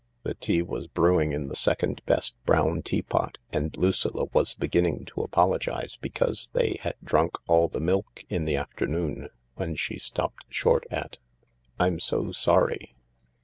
The tea was brewing in the second best brown tea pot, and Lucilla wasbeginning to apologise because they had drunk all the milk in the afternoon, when she stopped short at :" Fm so sorry